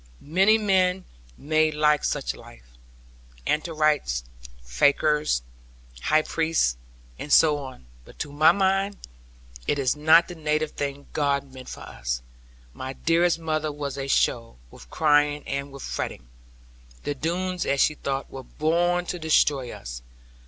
Many men may like such life; anchorites, fakirs, high priests, and so on; but to my mind, it is not the native thing God meant for us. My dearest mother was a show, with crying and with fretting. The Doones, as she thought, were born to destroy us.